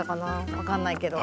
わかんないけど。